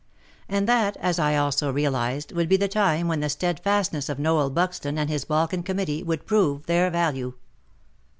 And that, as I also realized, would be the time when the steadfastness of Noel Buxton and his Balkan Committee would prove their value.